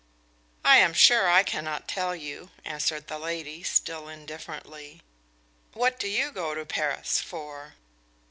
"I am sure I cannot tell you," answered the lady, still indifferently. "What do you go to Paris for?"